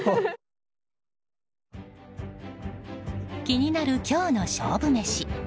気になる今日の勝負メシ。